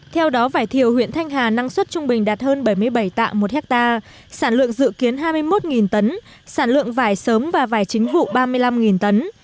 theo đó vải thiều huyện thanh hà năng suất trung bình đạt hơn bảy mươi bảy tạ một ha sản lượng dự kiến hai mươi một tấn sản lượng vải sớm và vải chính vụ ba mươi năm tấn